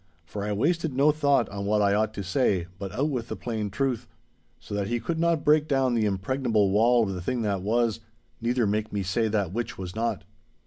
For I wasted no thought on what I ought to say, but out with the plain truth. So that he could not break down the impregnable wall of the thing that was, neither make me say that which was not.